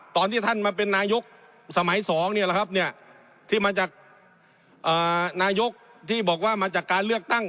ตอนที่ท่านมาเป็นนายกสมัยสองเนี่ยแหละครับเนี่ยที่มาจากอ่านายกที่บอกว่ามาจากการเลือกตั้ง